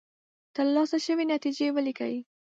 ترلاسه شوې نتیجې ولیکئ.